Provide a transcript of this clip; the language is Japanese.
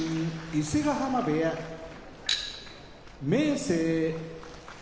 伊勢ヶ濱部屋明生